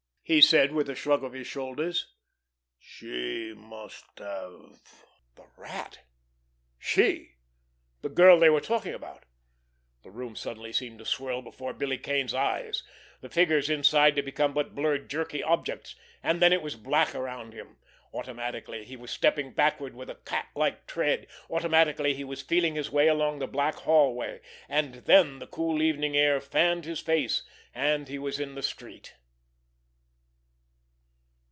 he said, with a shrug of his shoulders. "She must have——" The—Rat! She—the girl they were talking about! The room seemed suddenly to swirl before Billy Kane's eyes, the figures inside to become but blurred, jerky objects—and then it was black around him. Automatically he was stepping backward with a catlike tread; automatically he was feeling his way along the black hallway. And then the cool evening air fanned his face, and he was in the street.